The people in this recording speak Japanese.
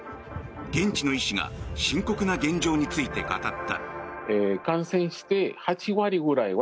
現地の医師が深刻な現状について語った。